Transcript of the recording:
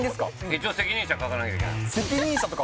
一応責任者書かなきゃいけないのはい